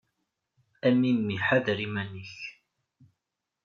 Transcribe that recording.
A memmi ḥader iman-ik.